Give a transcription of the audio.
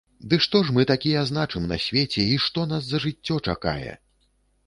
Дык што ж мы такія значым на свеце і што нас за жыццё чакае?